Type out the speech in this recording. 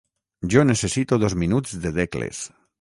Jo necessito dos minuts de decles.